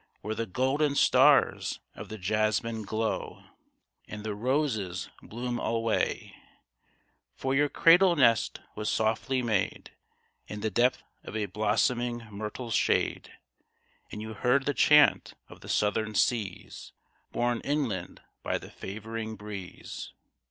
Where the golden stars of the jasmine glow. And the roses bloom alway ! For your cradle nest was softly made In the depth of a blossoming myrtle's shade ; And you heard the chant of the southern seas Borne inland by the favoring breeze.